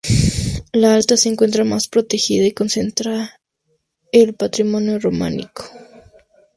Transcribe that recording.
La alta se encuentra más protegida y concentra el patrimonio románico.